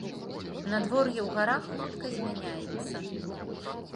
Надвор'е ў гарах хутка змяняецца.